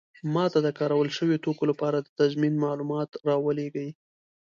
ما ته د کارول شوي توکو لپاره د تضمین معلومات راولیږئ.